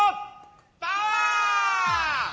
パワー！